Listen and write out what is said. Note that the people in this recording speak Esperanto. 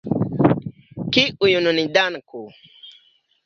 Kiujn ni danku?